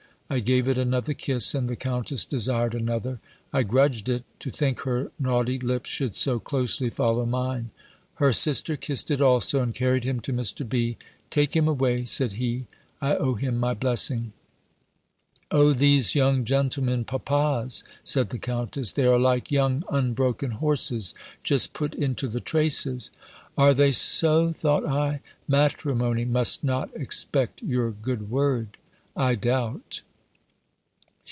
I gave it another kiss, and the Countess desired another. I grudged it, to think her naughty lips should so closely follow mine. Her sister kissed it also, and carried him to Mr. B. "Take him away," said he, "I owe him my blessing." "O these young gentlemen papas!" said the Countess "They are like young unbroken horses, just put into the traces!" "Are they so?" thought I. "Matrimony must not expect your good word, I doubt."